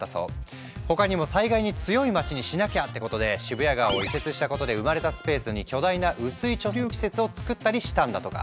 他にも災害に強い街にしなきゃ！ってことで渋谷川を移設したことで生まれたスペースに巨大な雨水貯留施設を造ったりしたんだとか。